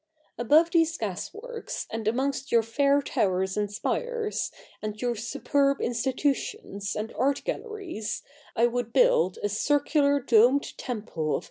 Above these gasworks, and amongst your fair towers and spires, and your superb institutions, and art galleries, I would build a circular domed temple of CH.